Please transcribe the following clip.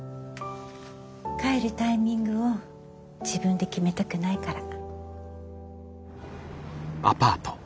帰るタイミングを自分で決めたくないから。